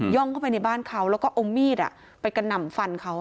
เข้าไปในบ้านเขาแล้วก็เอามีดไปกระหน่ำฟันเขา